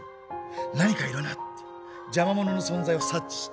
何かいるなって邪魔者の存在を察知して。